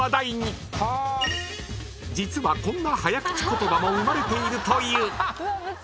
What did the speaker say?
［実はこんな早口言葉も生まれているという］